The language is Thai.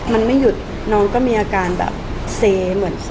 มันไม่หยุดน้องก็มีอาการแบบเซเหมือน